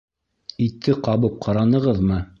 Итте ҡабып ҡаранығыҙмы?